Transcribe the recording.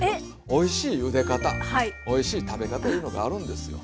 おいしいゆで方おいしい食べ方いうのがあるんですよ。